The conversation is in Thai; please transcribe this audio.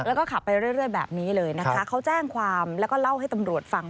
แล้วก็ขับไปเรื่อยแบบนี้เลยนะคะเขาแจ้งความแล้วก็เล่าให้ตำรวจฟัง